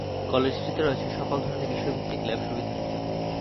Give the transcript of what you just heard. কলেজটিতে রয়েছে সকল ধরনের বিষয় ভিত্তিক ল্যাব সুবিধা।